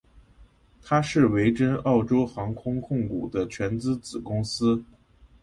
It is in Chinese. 它是维珍澳洲航空控股的全资子公司。